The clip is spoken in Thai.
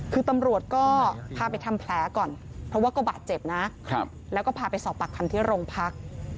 คือตำรวจก็พาไปทำแผลก่อนเพราะว่าก็บาดเจ็บนะแล้วก็พาไปสอบปากคำที่โรงพัก